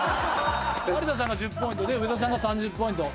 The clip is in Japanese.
有田さんが１０ポイントで上田さんが３０ポイント。